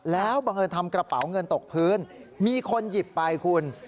แล้วบังเอิญทำกระเป๋าเงินตกพื้นมีคนหยิบไปคุณ